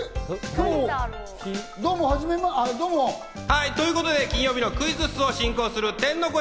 今日、どうも。ということで金曜日のクイズッスを進行する天の声